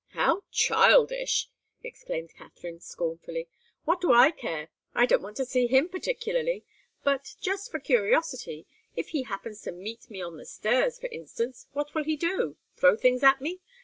"How childish!" exclaimed Katharine, scornfully. "What do I care? I don't want to see him particularly. But, just for curiosity if he happens to meet me on the stairs, for instance, what will he do? Throw things at me?